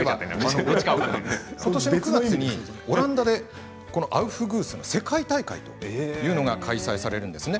ことし９月にオランダでアウフグースの世界大会というのが開催されます。